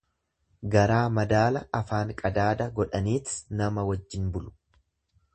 Garaa madaala afaan qadaada godhaniit nama wajjin bulu.